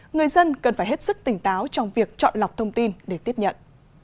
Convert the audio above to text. người dân cần phải hết sức tỉnh táo trong việc chọn lọc thông tin để tiếp nhận